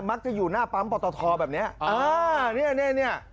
มักจะอยู่หน้าปั๊มปลอตอทรแบบนี้อ่าเนี้ยเนี้ยเนี้ย